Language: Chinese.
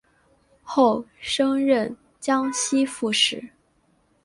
后升任江西副使。